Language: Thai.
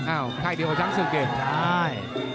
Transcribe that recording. อ้าวใครเดี๋ยวเขาช้างสึกเกต